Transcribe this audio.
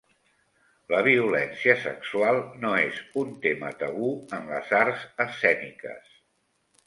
La violència sexual no és un tema tabú en les arts escèniques.